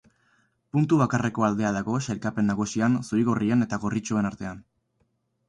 Puntu bakarreko aldea dago sailkapen nagusian zuri-gorrien eta gorritxoen artean.